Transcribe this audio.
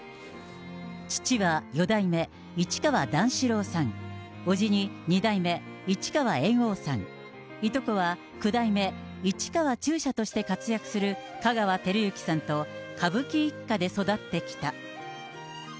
父は四代目市川段四郎さん、伯父に二代目市川猿翁さん、いとこは九代目市川中車として活躍する香川照之さんと、歌舞伎一家で育ってきた。